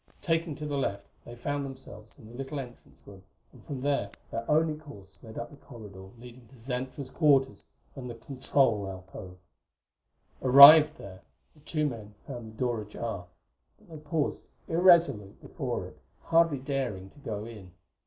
Taking to the left, they found themselves in the little entrance room, and from there their only course led up the corridor leading to Xantra's quarters and the control alcove. Arrived there, the two men found the door ajar, but they paused irresolute before it, hardly daring to go in.